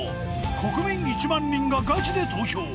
国民１万人がガチで投票！